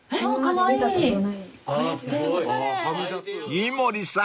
［井森さん